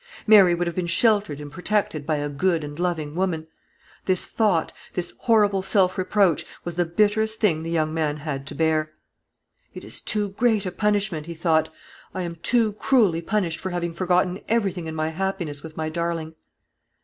Mary would have been sheltered and protected by a good and loving woman. This thought, this horrible self reproach, was the bitterest thing the young man had to bear. "It is too great a punishment," he thought; "I am too cruelly punished for having forgotten everything in my happiness with my darling."